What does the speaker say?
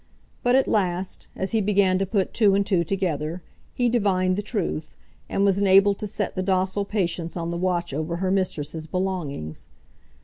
But at last, as he began to put two and two together, he divined the truth, and was enabled to set the docile Patience on the watch over her mistress's belongings.